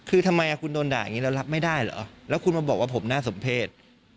คือทำไมคุณโดนด่าอย่างนี้เรารับไม่ได้เหรอแล้วคุณมาบอกว่าผมน่าสมเพศ